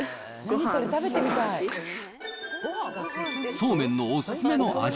そうめんのお勧めの味